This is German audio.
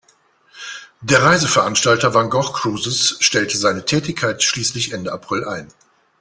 Der Reiseveranstalter Van Gogh Cruises stellte seine Tätigkeit schließlich Ende April ein.